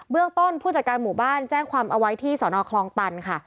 เรื่องต้นผู้จัดการหมู่บ้านแจ้งความเอาไว้ที่สนคลองตันค่ะ